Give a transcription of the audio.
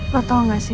lo tau nggak sih